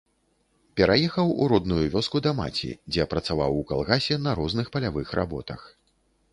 Пераехаў у родную вёску да маці, дзе працаваў у калгасе на розных палявых работах.